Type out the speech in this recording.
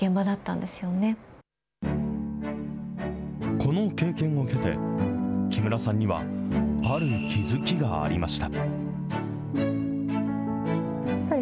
この経験を経て、木村さんには、ある気付きがありました。